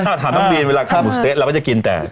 ถ้าถามน้องบีนเวลากินหมูสะเต๊ะเราก็จะกินแต่